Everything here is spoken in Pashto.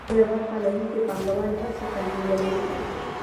لویه برخه لرونکي پانګوال هر څه کنټرولوي